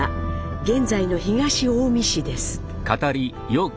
現在の東近江市です。